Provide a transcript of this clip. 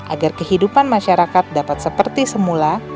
agar kehidupan masyarakat dapat seperti semula